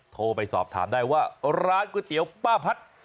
โทรไปสอบถามได้ว่าร้านก๋วยเตี๋ยวป้าพัด